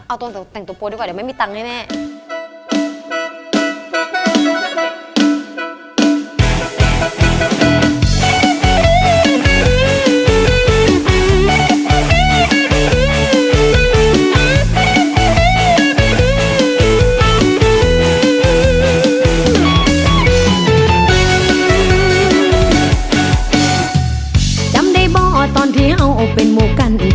เอาตัวแต่งตัวดีกว่าเดี๋ยวไม่มีตังค์ให้แม่